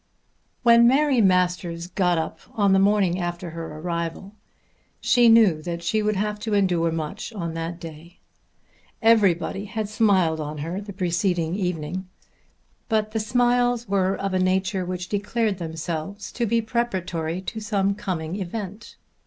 When Mary Masters got up on the morning after her arrival she knew that she would have to endure much on that day. Everybody had smiled on her the preceding evening, but the smiles were of a nature which declared themselves to be preparatory to some coming event.